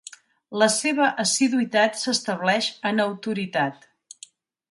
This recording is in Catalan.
La seva assiduïtat s'estableix en autoritat.